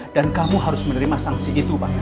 dan kamu harus menerima sanksi itu pangeran